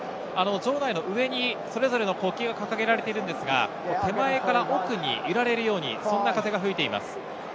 場内の上に、それぞれの国旗が掲げられていますが手前から奥に揺られるような風が吹いています。